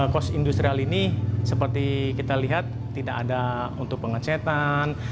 kos industrial ini seperti kita lihat tidak ada untuk pengecetan